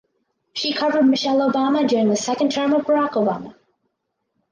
She covered Michelle Obama during the second term of Barack Obama.